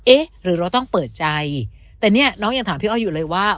เอ๊ะหรือเราต้องเปิดใจแต่เนี่ยน้องยังถามพี่อ้อยอยู่เลยว่า